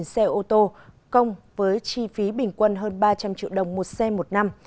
một xe ô tô công với chi phí bình quân hơn ba trăm linh triệu đồng một xe một năm